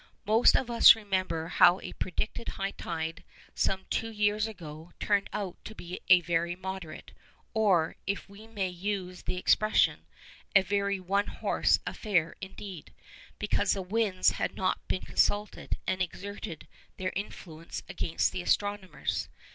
Most of us remember how a predicted high tide some two years ago turned out to be a very moderate, or, if we may use the expression, a very 'one horse' affair indeed, because the winds had not been consulted, and exerted their influence against the astronomers.